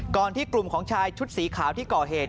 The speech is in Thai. ที่กลุ่มของชายชุดสีขาวที่ก่อเหตุ